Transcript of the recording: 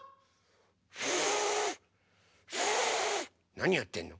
なにやってんの？